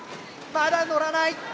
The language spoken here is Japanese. まだのらない。